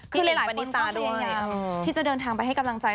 คือหลายคนก็พยายามที่จะเดินทางไปให้กำลังใจ